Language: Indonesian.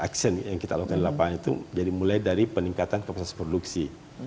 jadi lima cara aksen yang kita lakukan di lapangan itu jadi mulai dari peningkatan kekuasaan produksi